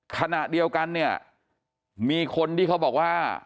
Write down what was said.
ขณะเดียวกันเนี่ยมีคนที่เขาบอกว่า